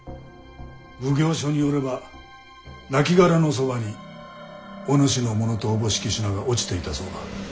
奉行所によれば亡骸のそばにお主のものとおぼしき品が落ちていたそうだ。